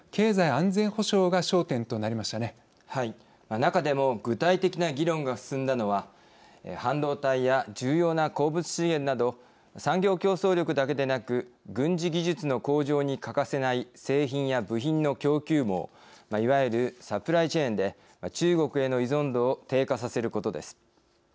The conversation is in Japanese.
中でも具体的な議論が進んだのは半導体や重要な鉱物資源など産業競争力だけでなく軍事技術の向上に欠かせない製品や部品の供給網いわゆるサプライチェーンで中国への依存度を低下させることです。